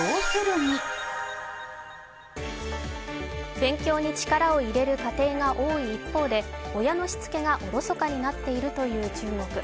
勉強に力を入れる家庭が多い一方で親のしつけがおろそかになっているという中国。